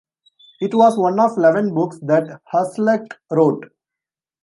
It was one of eleven books that Hasluck wrote.